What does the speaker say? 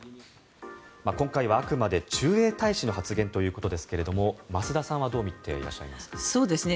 今回はあくまで駐英大使の発言ということですが増田さんはどう見ていらっしゃいますか。